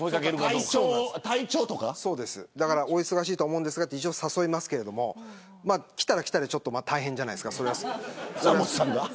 お忙しいとは思うんですがと一応、誘いますけど。来たら来たで大変じゃないですか。